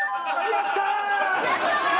やった！